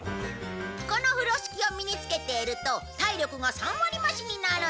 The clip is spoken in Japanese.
この風呂敷を身に着けていると体力が３割増しになるんだ。